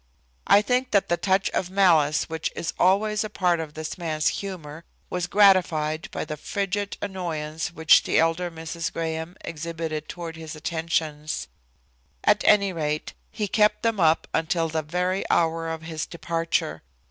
I think that the touch of malice which is always a part of this man's humor was gratified by the frigid annoyance which the elder Mrs. Graham exhibited toward his attentions. At any rate, he kept them up until the very hour of his departure.